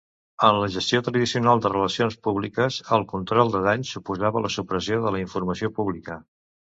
En la gestió tradicional de relacions públiques, el control de danys suposava la supressió de la informació pública.